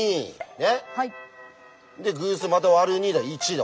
ねっ。で偶数また割る２だ１だ。